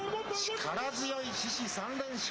力強い獅司、３連勝。